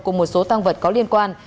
cùng một số tăng vật có liên quan